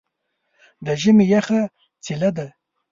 د ژمي یخه څیله ده.